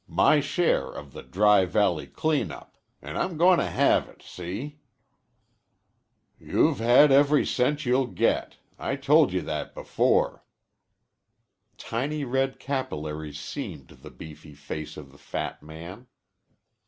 My share of the Dry Valley clean up. An' I'm gonna have it. See?" "You've had every cent you'll get. I told you that before." Tiny red capillaries seamed the beefy face of the fat man.